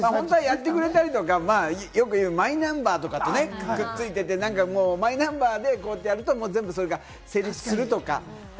やってくれたりとか、よく言うマイナンバーとかとくっついてて、マイナンバーでやると、全部それが成立するとかね。